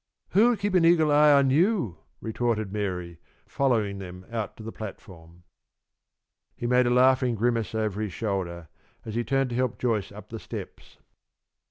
"Who'll keep an eagle eye on you?" retorted Mary, following them out to the platform. He made a laughing grimace over his shoulder, as he turned to help Joyce up the steps.